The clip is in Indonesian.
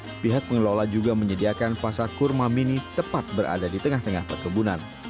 pihak pengelola juga menyediakan pasar kurma mini tepat berada di tengah tengah perkebunan